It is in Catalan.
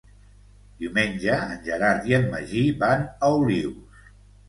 Diumenge en Gerard i en Magí van a Olius.